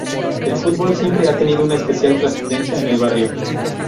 El fútbol siempre ha tenido una especial trascendencia en el barrio.